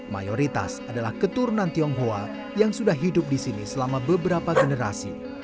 mayoritas adalah keturunan tionghoa yang sudah hidup di sini selama beberapa generasi